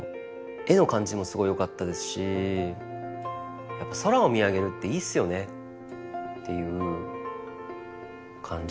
絵の感じもすごいよかったですしやっぱ空を見上げるっていいっすよねっていう感じ。